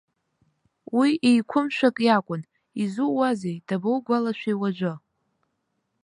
Уи еиқәымшәак иакәын, изууазеи, дабоугәалашәеи уажәы?